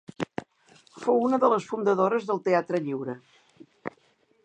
Fou una de les fundadores del Teatre Lliure.